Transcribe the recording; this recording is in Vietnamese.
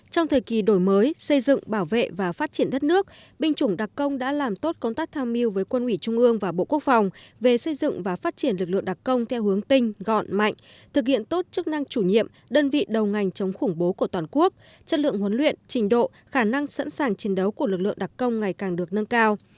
trong thời kỳ đổi mới xây dựng bảo vệ và phát triển đất nước binh chủng đặc công đã làm tốt công tác tham mưu với quân ủy trung ương và bộ quốc phòng về xây dựng và phát triển lực lượng đặc công theo hướng tinh gọn mạnh thực hiện tốt chức năng chủ nhiệm đơn vị đầu ngành chống khủng bố của toàn quốc chất lượng huấn luyện trình độ khả năng sẵn sàng chiến đấu của lực lượng đặc công ngày càng được nâng cao